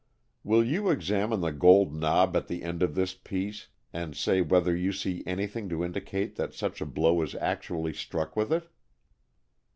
"Will you examine the gold knob at the end of this piece and say whether you see anything to indicate that such a blow was actually struck with it?"